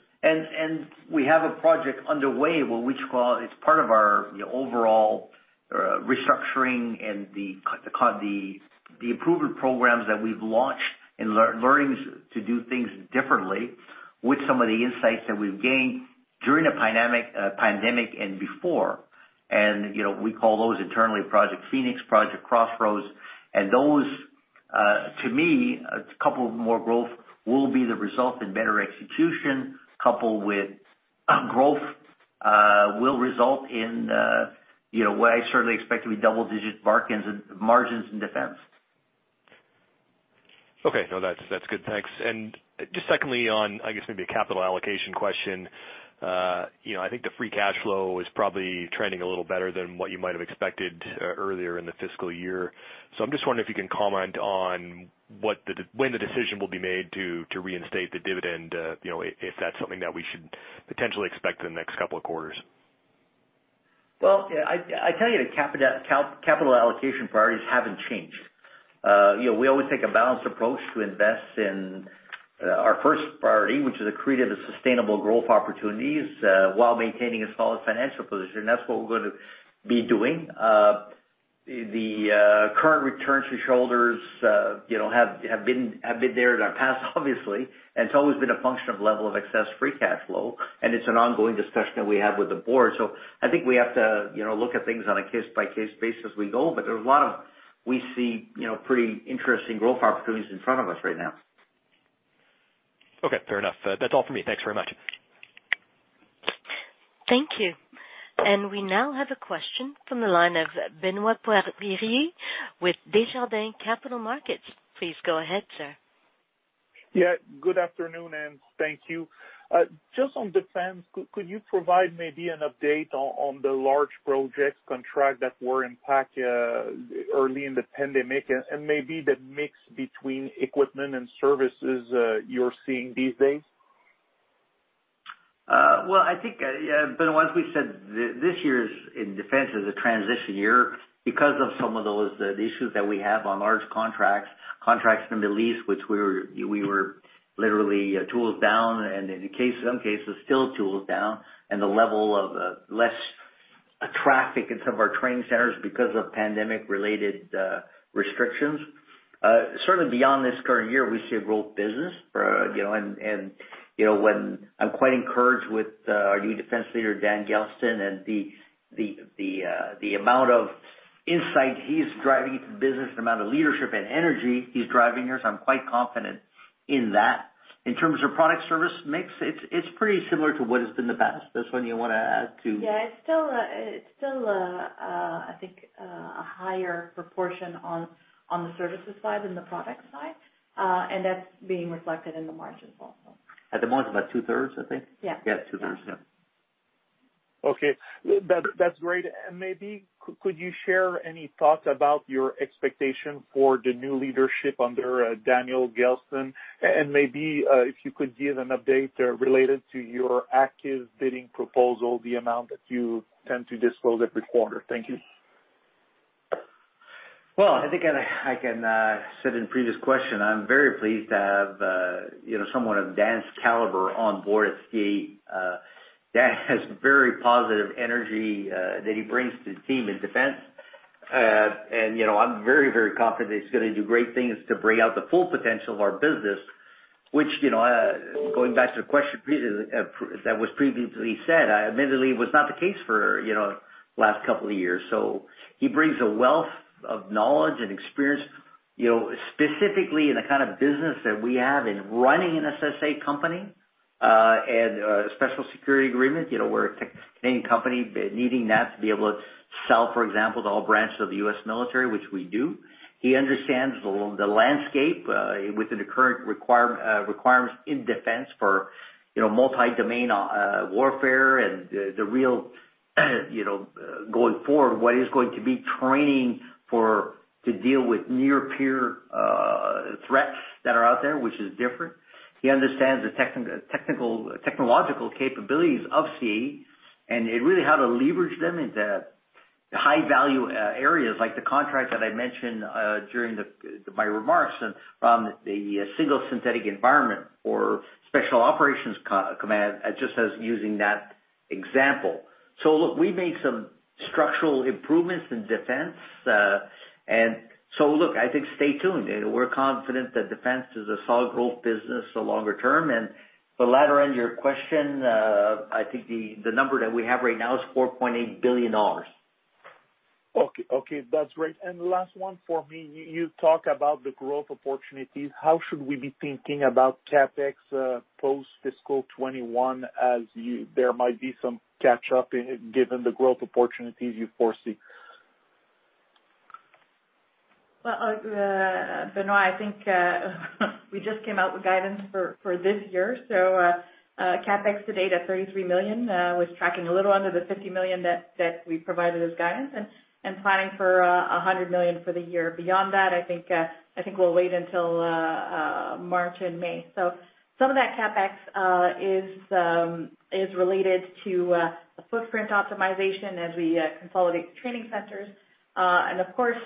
Speaker 3: We have a project underway, it's part of our overall restructuring and the improvement programs that we've launched and learnings to do things differently with some of the insights that we've gained during the pandemic and before. We call those internally Project Phoenix, Project Crossroads, and those, to me, a couple of more growth will be the result in better execution, coupled with growth will result in what I certainly expect to be double-digit margins in defense.
Speaker 9: Okay. No, that's good. Thanks. Just secondly on, I guess maybe a capital allocation question. I think the free cash flow is probably trending a little better than what you might have expected earlier in the fiscal year. I'm just wondering if you can comment on when the decision will be made to reinstate the dividend, if that's something that we should potentially expect in the next couple of quarters.
Speaker 3: Well, I tell you the capital allocation priorities haven't changed. We always take a balanced approach to invest in our first priority, which is accretive and sustainable growth opportunities, while maintaining a solid financial position. That's what we're going to be doing. The current returns to shareholders have been there in our past obviously, and it's always been a function of level of excess free cash flow, and it's an ongoing discussion that we have with the board. I think we have to look at things on a case-by-case basis as we go. We see pretty interesting growth opportunities in front of us right now.
Speaker 9: Okay. Fair enough. That's all for me. Thanks very much.
Speaker 1: Thank you. We now have a question from the line of Benoit Poirier with Desjardins Capital Markets. Please go ahead, sir.
Speaker 10: Yeah. Good afternoon, and thank you. Just on Defense, could you provide maybe an update on the large projects contract that were impact early in the pandemic, and maybe the mix between equipment and services you're seeing these days?
Speaker 3: Well, I think, Benoit, as we said, this year in defense is a transition year because of some of those issues that we have on large contracts from the lease, which we were literally tools down and in some cases, still tools down, and the level of less traffic in some of our training centers because of pandemic-related restrictions. Certainly, beyond this current year, we see growth business. I'm quite encouraged with our new defense leader, Daniel Gelston, and the amount of insight he's driving into the business, the amount of leadership and energy he's driving here, so I'm quite confident in that. In terms of product service mix, it's pretty similar to what it's been the past. Does one of you want to add to?
Speaker 4: Yeah, it's still, I think, a higher proportion on the services side than the product side. That's being reflected in the margins also.
Speaker 3: At the margin, about two-thirds, I think?
Speaker 4: Yeah.
Speaker 3: Yeah, two-thirds. Yeah.
Speaker 10: Okay. That's great. Maybe could you share any thoughts about your expectation for the new leadership under Daniel Gelston? Maybe, if you could give an update related to your active bidding proposal, the amount that you tend to disclose every quarter. Thank you.
Speaker 3: Well, I think I can said in previous question, I'm very pleased to have someone of Dan's caliber on board at CAE. Dan has very positive energy that he brings to the team in Defence. I'm very confident that he's going to do great things to bring out the full potential of our business, which, going back to the question that was previously said, admittedly, was not the case for last couple of years. He brings a wealth of knowledge and experience specifically in the kind of business that we have in running an SSA company, and Special Security Agreement. We're a Canadian company needing that to be able to sell, for example, to all branches of the U.S. military, which we do. He understands the landscape within the current requirements in defense for multi-domain warfare and the real, going forward, what is going to be training to deal with near peer threats that are out there, which is different. He understands the technological capabilities of CAE and really how to leverage them into high-value areas, like the contract that I mentioned during my remarks from the single synthetic environment or Special Operations Command, just as using that example. Look, we made some structural improvements in defense. Look, I think stay tuned. We're confident that defense is a solid growth business longer term. The latter end of your question, I think the number that we have right now is 4.8 billion dollars.
Speaker 10: Okay. That's great. Last one for me. You talk about the growth opportunities. How should we be thinking about CapEx post-fiscal 2021 as there might be some catch up given the growth opportunities you foresee?
Speaker 4: Benoit, I think we just came out with guidance for this year. CapEx to date at 33 million was tracking a little under the 50 million that we provided as guidance and planning for 100 million for the year. Beyond that, I think we'll wait until March and May. Some of that CapEx is related to footprint optimization as we consolidate training centers. Of course,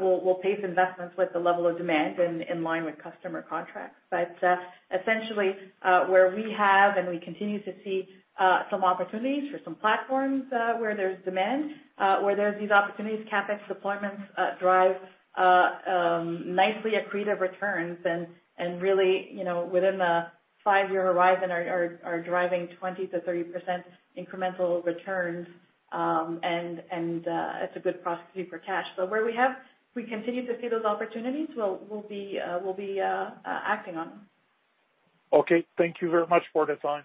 Speaker 4: we'll pace investments with the level of demand in line with customer contracts. Essentially, where we have and we continue to see some opportunities for some platforms where there's demand, where there's these opportunities, CapEx deployments drive nicely accretive returns and really, within the five-year horizon, are driving 20%-30% incremental returns. It's a good proxy for cash. Where we continue to see those opportunities, we'll be acting on them.
Speaker 10: Okay. Thank you very much for the time.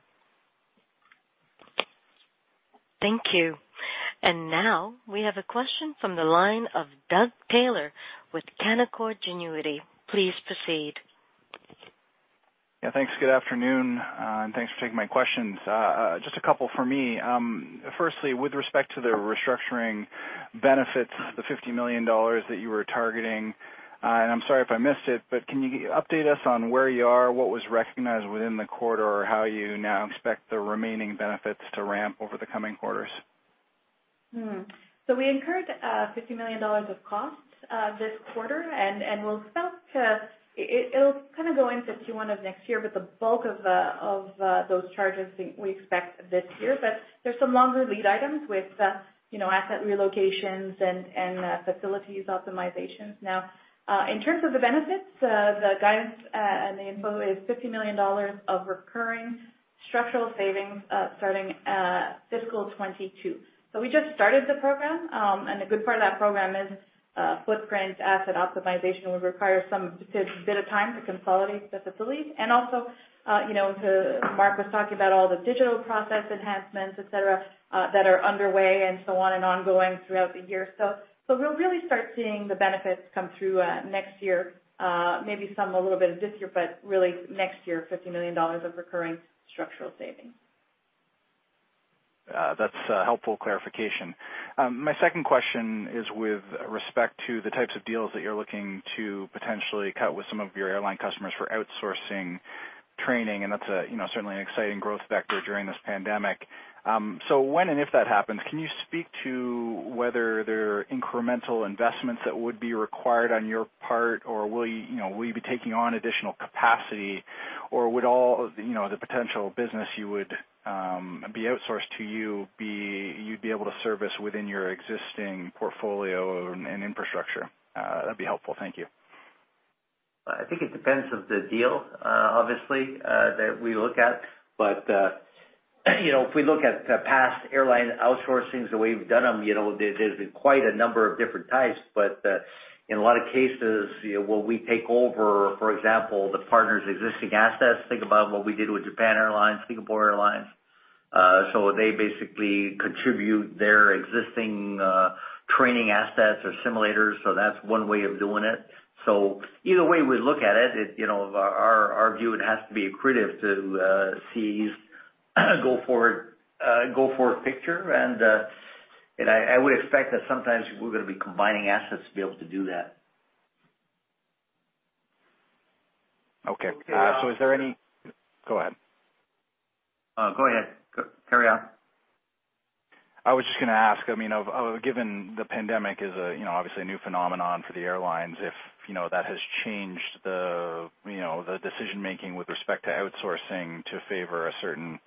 Speaker 1: Thank you. Now we have a question from the line of Doug Taylor with Canaccord Genuity. Please proceed.
Speaker 11: Yeah, thanks. Good afternoon. Thanks for taking my questions. Just a couple for me. Firstly, with respect to the restructuring benefits, the 50 million dollars that you were targeting, and I'm sorry if I missed it, but can you update us on where you are, what was recognized within the quarter, or how you now expect the remaining benefits to ramp over the coming quarters?
Speaker 4: We incurred 50 million dollars of costs this quarter, and it'll go into Q1 of next year. The bulk of those charges, we expect this year. There's some longer lead items with asset relocations and facilities optimizations. In terms of the benefits, the guidance and the info is 50 million dollars of recurring structural savings starting FY 2022. We just started the program, and the good part of that program is footprint asset optimization would require some bit of time to consolidate the facilities. Also, Marc was talking about all the digital process enhancements, et cetera, that are underway and ongoing throughout the year. We'll really start seeing the benefits come through next year. Maybe some a little bit this year, but really next year, 50 million dollars of recurring structural savings.
Speaker 11: That's a helpful clarification. My second question is with respect to the types of deals that you're looking to potentially cut with some of your airline customers for outsourcing training, and that's certainly an exciting growth vector during this pandemic. When and if that happens, can you speak to whether there are incremental investments that would be required on your part, or will you be taking on additional capacity, or would all the potential business be outsourced to you'd be able to service within your existing portfolio and infrastructure? That'd be helpful. Thank you.
Speaker 3: I think it depends on the deal, obviously, that we look at. If we look at past airline outsourcing, the way we've done them, there's quite a number of different types. In a lot of cases, will we take over, for example, the partner's existing assets? Think about what we did with Japan Airlines, Singapore Airlines. They basically contribute their existing training assets or simulators. That's one way of doing it. Either way we look at it, our view, it has to be accretive to CAE's go-forward picture, and I would expect that sometimes we're going to be combining assets to be able to do that.
Speaker 11: Okay. Is there Go ahead.
Speaker 3: Go ahead. Carry on.
Speaker 11: I was just going to ask, given the pandemic is obviously a new phenomenon for the airlines, if that has changed the decision-making with respect to outsourcing to favor a certain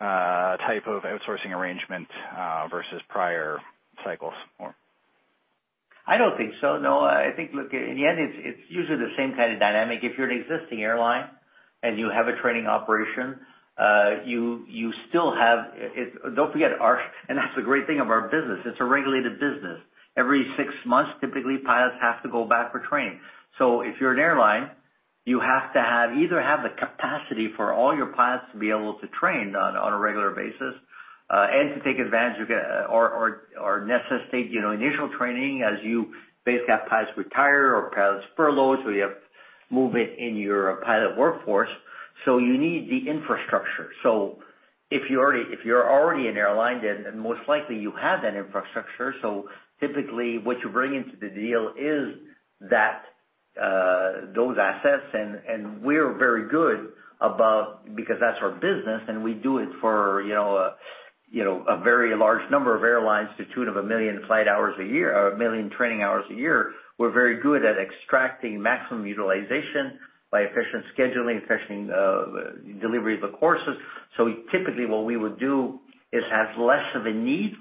Speaker 11: type of outsourcing arrangement versus prior cycles more?
Speaker 3: I don't think so, no. I think, look, in the end, it's usually the same kind of dynamic. If you're an existing airline and you have a training operation, that's the great thing about our business. It's a regulated business. Every six months, typically, pilots have to go back for training. If you're an airline, you have to either have the capacity for all your pilots to be able to train on a regular basis and to take advantage of, or necessitate, initial training as you basically have pilots retire or pilots furloughed. You have movement in your pilot workforce. You need the infrastructure. If you're already an airline, then most likely you have that infrastructure. Typically, what you bring into the deal is those assets, and we're very good about, because that's our business, and we do it for a very large number of airlines to the tune of a million training hours a year. We're very good at extracting maximum utilization by efficient scheduling, efficient delivery of the courses. Typically, what we would do, it has less of a need,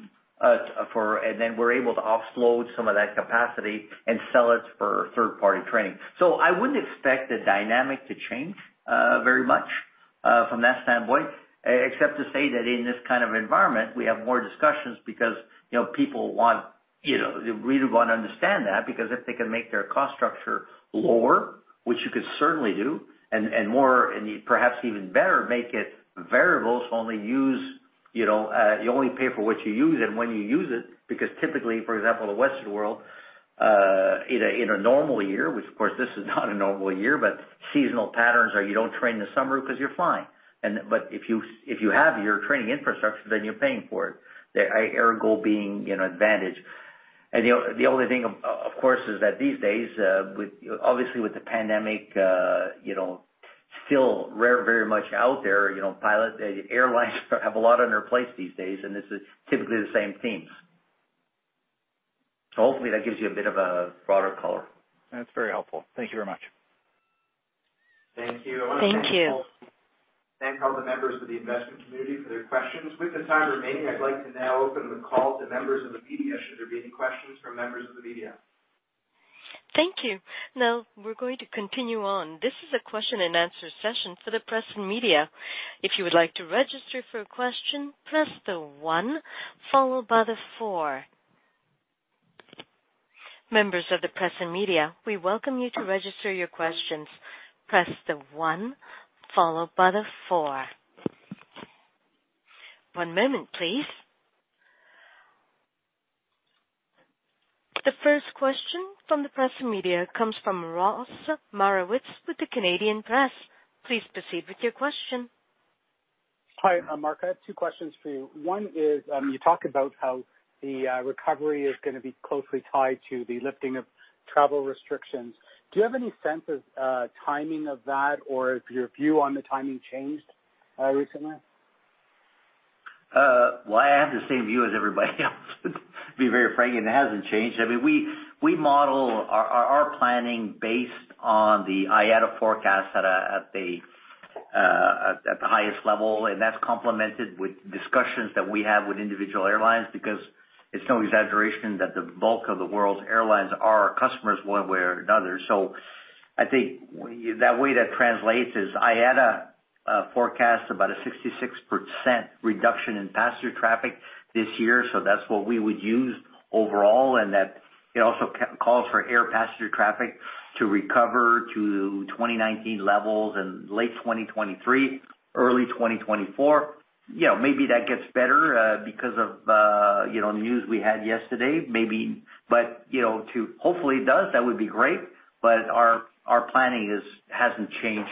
Speaker 3: and then we're able to offload some of that capacity and sell it for third-party training. I wouldn't expect the dynamic to change very much from that standpoint, except to say that in this kind of environment, we have more discussions because people really want to understand that, because if they can make their cost structure lower, which you could certainly do, and perhaps even better, make it variable, so you only pay for what you use and when you use it. Typically, for example, in the Western world, in a normal year, which of course, this is not a normal year, but seasonal patterns are you don't train in the summer because you're flying. If you have your training infrastructure, then you're paying for it, our goal being advantage. The only thing, of course, is that these days, obviously with the pandemic still very much out there, airlines have a lot on their plates these days, and this is typically the same themes. Hopefully that gives you a bit of a broader color.
Speaker 11: That's very helpful. Thank you very much.
Speaker 3: Thank you.
Speaker 4: Thank you.
Speaker 3: I want to thank all the members of the investment community for their questions. With the time remaining, I'd like to now open the call to members of the media, should there be any questions from members of the media.
Speaker 1: Thank you. We're going to continue on. This is a question and answer session for the press and media. If you would like to register for a question, press the one followed by the four. Members of the press and media, we welcome you to register your questions. Press the one followed by the four. One moment, please. The first question from the press and media comes from Ross Marowits with The Canadian Press. Please proceed with your question.
Speaker 12: Hi, Marc. I have two questions for you. One is, you talk about how the recovery is going to be closely tied to the lifting of travel restrictions. Do you have any sense of timing of that, or has your view on the timing changed recently?
Speaker 3: I have the same view as everybody else to be very frank, and it hasn't changed. We model our planning based on the IATA forecast at the highest level, and that's complemented with discussions that we have with individual airlines, because it's no exaggeration that the bulk of the world's airlines are our customers one way or another. I think that way that translates is IATA forecasts about a 66% reduction in passenger traffic this year. That's what we would use overall, and that it also calls for air passenger traffic to recover to 2019 levels in late 2023, early 2024. Maybe that gets better because of news we had yesterday. Hopefully, it does. That would be great. Our planning hasn't changed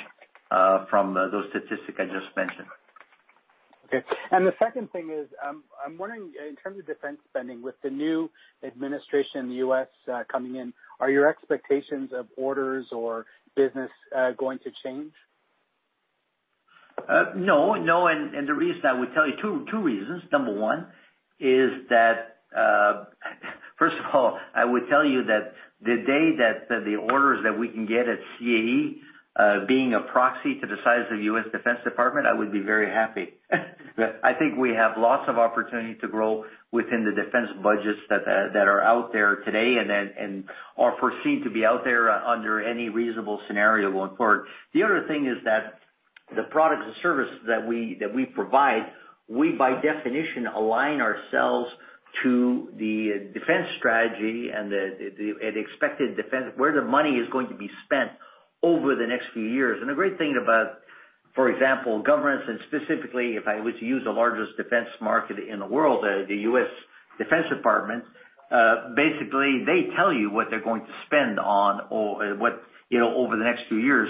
Speaker 3: from those statistics I just mentioned.
Speaker 12: Okay. The second thing is, I'm wondering in terms of defense spending with the new administration in the U.S. coming in, are your expectations of orders or business going to change?
Speaker 3: No. The reason I would tell you, two reasons. Number one is that, first of all, I would tell you that the day that the orders that we can get at CAE, being a proxy to the size of the U.S. Defense Department, I would be very happy. I think we have lots of opportunity to grow within the defense budgets that are out there today and are perceived to be out there under any reasonable scenario going forward. The other thing is that the products and service that we provide, we, by definition, align ourselves to the defense strategy and where the money is going to be spent over the next few years. The great thing about, for example, governments and specifically, if I was to use the largest defense market in the world, the U.S. Department of Defense, basically, they tell you what they're going to spend on over the next few years.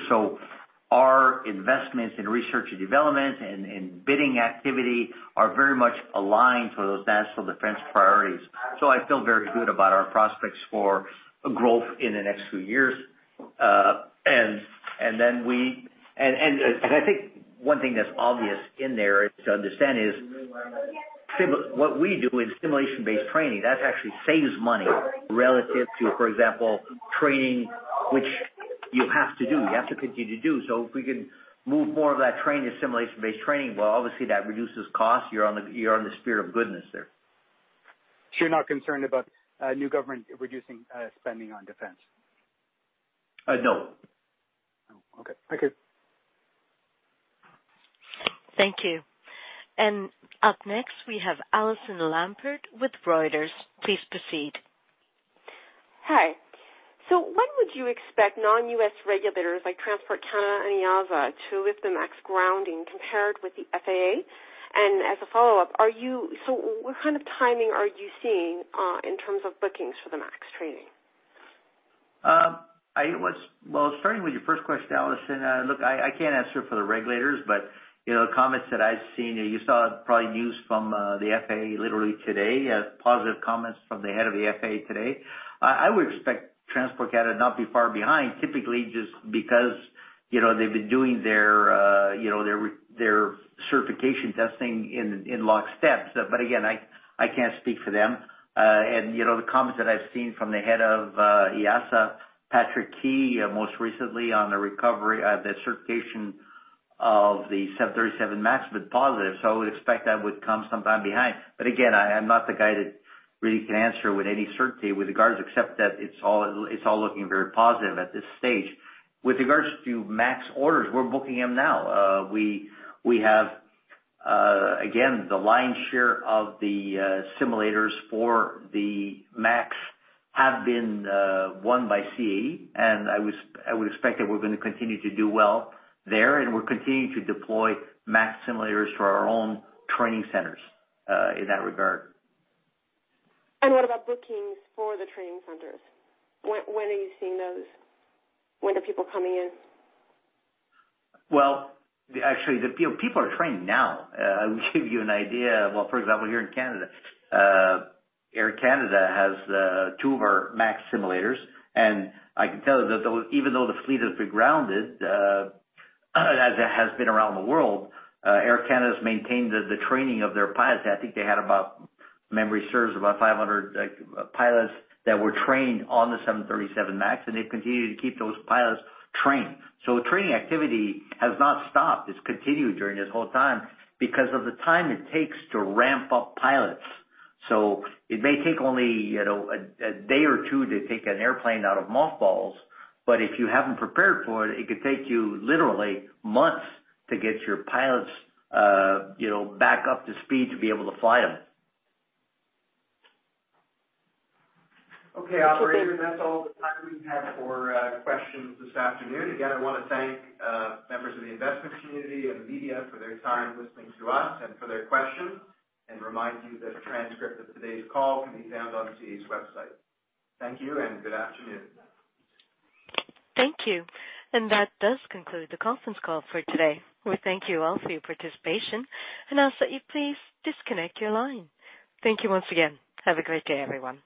Speaker 3: Our investments in research and development and bidding activity are very much aligned to those national defense priorities. I feel very good about our prospects for growth in the next few years. I think one thing that's obvious in there to understand is what we do in simulation-based training, that actually saves money relative to, for example, training, which you have to do, you have to continue to do. If we can move more of that training to simulation-based training, well, obviously that reduces cost. You're in the spirit of goodness there.
Speaker 12: You're not concerned about a new government reducing spending on defense?
Speaker 3: No.
Speaker 12: Oh, okay. Thank you.
Speaker 1: Thank you. Up next, we have Allison Lampert with Reuters. Please proceed.
Speaker 13: Hi. When would you expect non-U.S. regulators like Transport Canada and EASA to lift the MAX grounding compared with the FAA? As a follow-up, what kind of timing are you seeing in terms of bookings for the MAX training?
Speaker 3: Starting with your first question, Allison. Look, I can't answer for the regulators, but the comments that I've seen, you saw probably news from the FAA literally today, positive comments from the head of the FAA today. I would expect Transport Canada not be far behind, typically just because they've been doing their certification testing in lockstep. Again, I can't speak for them. The comments that I've seen from the head of EASA, Patrick Ky, most recently on the recovery, the certification of the 737 MAX have been positive. I would expect that would come sometime behind. Again, I'm not the guy that really can answer with any certainty with regards, except that it's all looking very positive at this stage. With regards to MAX orders, we're booking them now. We have, again, the lion's share of the simulators for the MAX have been won by CAE, and I would expect that we're going to continue to do well there, and we're continuing to deploy MAX simulators for our own training centers in that regard.
Speaker 13: What about bookings for the training centers? When are you seeing those? When are people coming in?
Speaker 3: Actually, people are training now. I'll give you an idea. For example, here in Canada, Air Canada has two of our MAX simulators, and I can tell you that even though the fleet has been grounded, as it has been around the world, Air Canada's maintained the training of their pilots. I think they had, if memory serves, about 500 pilots that were trained on the 737 MAX, and they've continued to keep those pilots trained. The training activity has not stopped. It's continued during this whole time because of the time it takes to ramp up pilots. It may take only a day or two to take an airplane out of mothballs, but if you haven't prepared for it could take you literally months to get your pilots back up to speed to be able to fly them. Okay. Operator, that's all the time we have for questions this afternoon. Again, I want to thank members of the investment community and the media for their time listening to us and for their questions and remind you that a transcript of today's call can be found on CAE's website. Thank you and good afternoon.
Speaker 1: Thank you. That does conclude the conference call for today. We thank you all for your participation and ask that you please disconnect your line. Thank you once again. Have a great day, everyone.